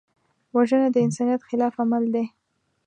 وژنه د انسانیت خلاف عمل دی